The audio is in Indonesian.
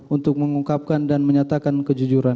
untuk mengungkapkan dan menyatakan kejujuran